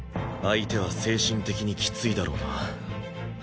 相手は精神的にきついだろうな。